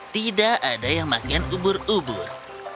tidak ada yang makan ubur ubur